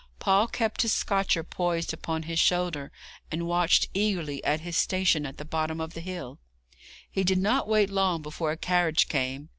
Paul kept his scotcher poised upon his shoulder, and watched eagerly at his station at the bottom of the hill. He did not wait long before a carriage came.